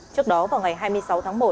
trước đó vào ngày hai mươi sáu tháng một